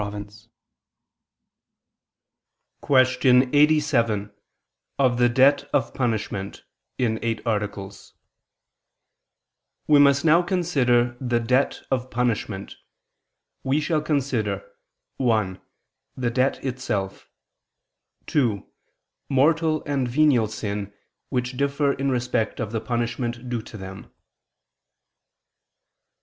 ________________________ QUESTION 87 OF THE DEBT OF PUNISHMENT (In Eight Articles) We must now consider the debt of punishment. We shall consider (1) the debt itself; (2) mortal and venial sin, which differ in respect of the punishment due to them.